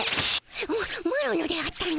ママロのであったの。